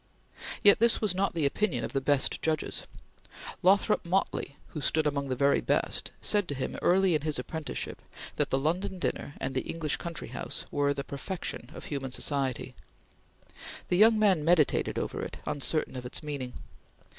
Yet this was not the opinion of the best judges. Lothrop Motley, who stood among the very best, said to him early in his apprenticeship that the London dinner and the English country house were the perfection of human society. The young man meditated over it, uncertain of its meaning.